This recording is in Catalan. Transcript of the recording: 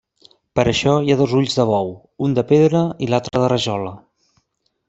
Per això hi ha dos ulls de bou, un de pedra i l'altre de rajola.